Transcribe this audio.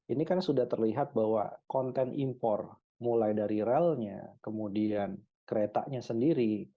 ini kan sudah terlihat bahwa konten impor mulai dari relnya kemudian keretanya sendiri